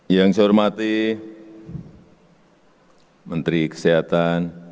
yang saya hormati menteri kesehatan